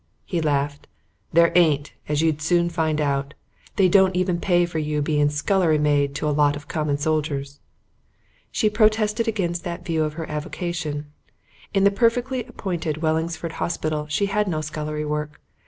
He laughed. "There ain't; as you'd soon find out. They don't even pay you for being scullery maid to a lot of common soldiers." She protested against that view of her avocation. In the perfectly appointed Wellingsford Hospital she had no scullery work.